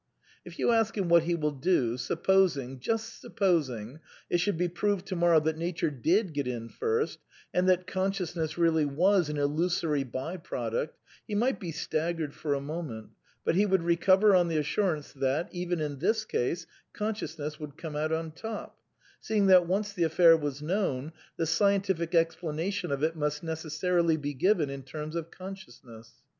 If you ask him what he will do, supposing, just suppos ing, it should be proved to morrow that Nature did get in first, and that consciousness really was an illusory by product, he might be staggered for a moment, but he would recover on the assurance that, even in this case, conscious ness would come out on top; seeing that, once the affair was hnotvn, the scientific explanation of it must necessarily be given in terms of consciousness.